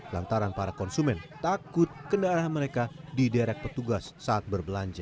lantaran para konsumen takut kendaraan mereka diderek petugas saat berbelanja